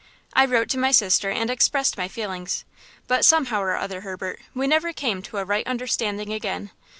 I wrote to my sister and expressed my feelings; but, somehow or other, Herbert, we never came to a right understanding again.